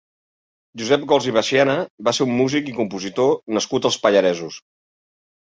Josep Gols i Veciana va ser un músic i compositor nascut als Pallaresos.